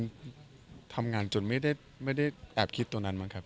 มันทำงานจนไม่ได้แอบคิดตัวนั้นมั้งครับ